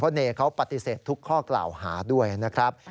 เนเขาปฏิเสธทุกข้อกล่าวหาด้วยนะครับ